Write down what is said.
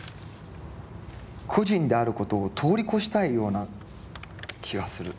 個人であることを通り越したいような気がする。